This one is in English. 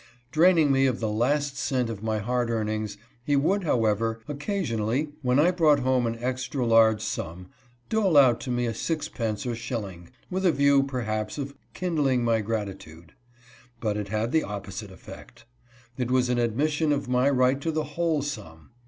Draining me of the last cent (233) 234 KIDNAPPERS ABROAD. of my hard earnings, he would, however, occasionally, when I brought home an extra large sum, dole out to me a sixpence or shilling, with a view, perhaps, of kindling my gratitude. But it had the opposite effect. It was an admission of my right to the whole sum.